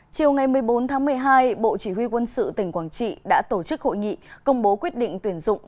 chiều ngày một mươi bốn tháng một mươi hai bộ chỉ huy quân sự tỉnh quảng trị đã tổ chức hội nghị công bố quyết định tuyển dụng